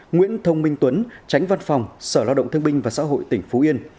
nguyễn thông minh tuấn tránh văn phòng sở lao động thương binh và xã hội tỉnh phú yên